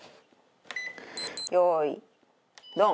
用意ドン！